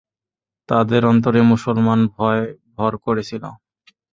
তাদের অন্তরে মুসলমান-ভয় ভর করেছিল।